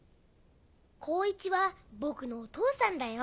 耕一は僕のお父さんだよ。